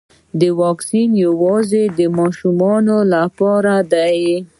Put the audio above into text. ایا واکسین یوازې د ماشومانو لپاره دی